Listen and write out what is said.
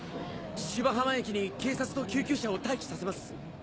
芝浜駅に警察と救急車を待機させます。